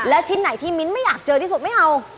ชิ้นไหนที่มิ้นไม่อยากเจอที่สุดไม่เอา